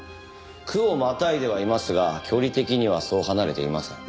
区をまたいではいますが距離的にはそう離れていません。